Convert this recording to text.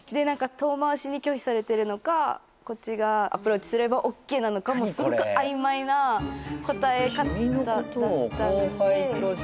遠回しに拒否されてるのかこっちがアプローチすればオッケーなのかもすごく曖昧な答え方「君のことを後輩として」